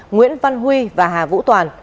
nguyễn văn huy và hà vũ toàn